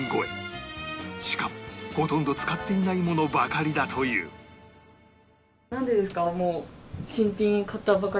しかもほとんど使っていないものばかりだというなんでですか？